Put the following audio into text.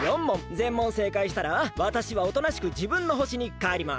ぜん問せいかいしたらわたしはおとなしくじぶんの星にかえります。